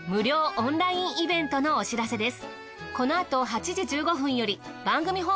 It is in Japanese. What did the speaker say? オンラインイベントのお知らせです。